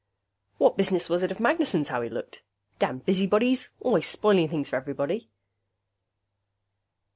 What business was it of Magnessen's how he looked? Damned busybodies, always spoiling things for everybody....